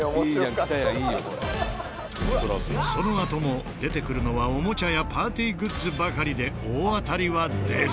そのあとも出てくるのはおもちゃやパーティーグッズばかりで大当たりは出ず。